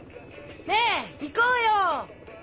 ねぇ行こうよ！